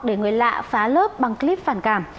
để người lạ phá lớp bằng clip phản cảm